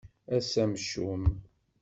Ass amcum.